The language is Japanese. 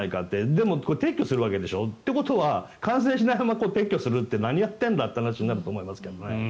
でも撤去するわけでしょ？ということは完成しないまま撤去するって何やってんだという話になると思いますけどね。